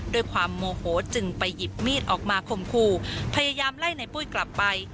ด้วยความโมโหจึงไปหยิบมีดออกมาคมคู่พยายามไล่ในปุ้ยกลับไป